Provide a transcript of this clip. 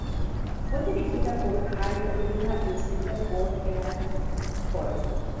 Fue dirigida por Jay Oliva y escrita por Heath Corson.